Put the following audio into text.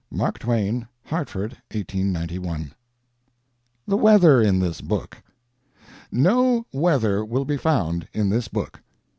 MARK TWAIN. Hartford, 1891. THE WEATHER IN THIS BOOK. No weather will be found in this book.